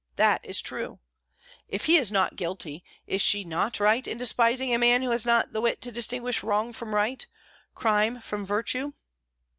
That is true! If he is not guilty, is she not right in despising a man who has not the wit to distinguish wrong from right, crime from virtue?"